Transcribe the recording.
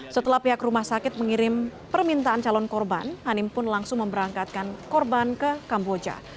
setelah pihak rumah sakit mengirim permintaan calon korban hanim pun langsung memberangkatkan korban ke kamboja